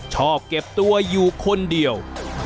ชอบเก็บตัวอยู่คนเดียว